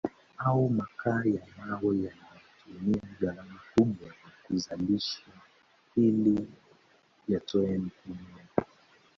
Au makaa ya mawe yanayotumia gharama kubwa kuzalishwa hili yatoe umeme